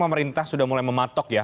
pemerintah sudah mulai mematok ya